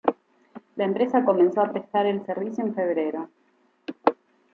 La empresa comenzó a prestar el servicio en febrero.